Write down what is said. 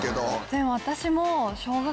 でも私も。